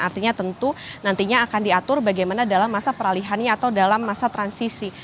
artinya tentu nantinya akan diatur bagaimana dalam masa peralihannya atau dalam masa transisi